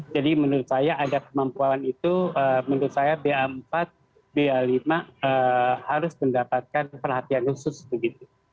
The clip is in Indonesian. jadi menurut saya ada kemampuan itu menurut saya b empat b lima harus mendapatkan perhatian khusus begitu